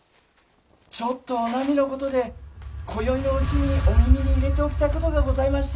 ・ちょっとおなみの事で今宵のうちにお耳に入れておきたい事がございまして。